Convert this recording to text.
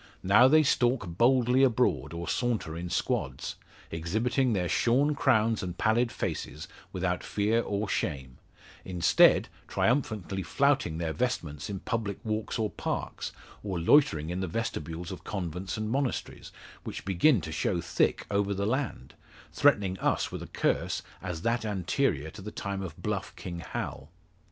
Now they stalk boldly abroad, or saunter in squads, exhibiting their shorn crowns and pallid faces, without fear or shame; instead, triumphantly flouting their vestments in public walks or parks, or loitering in the vestibules of convents and monasteries, which begin to show thick over the land threatening us with a curse as that anterior to the time of bluff King Hal.